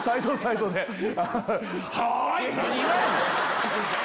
何がやねん！